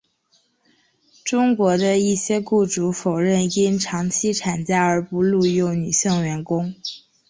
中国的一些雇主否认因长期产假而不录用女性员工。